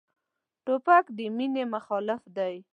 توپک د مینې مخالف دی.